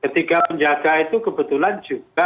ketiga penjaga itu kebetulan juga